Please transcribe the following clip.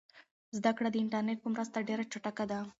زده کړه د انټرنیټ په مرسته ډېره چټکه ده.